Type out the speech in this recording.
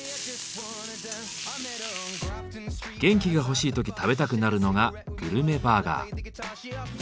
元気が欲しい時食べたくなるのがグルメバーガー。